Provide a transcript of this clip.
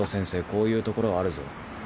こういうところあるぞ。